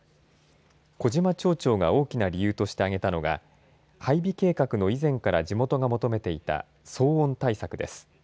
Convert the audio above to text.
小嶋町長が大きな理由として挙げたのが配備計画の以前から地元が求めていた騒音対策です。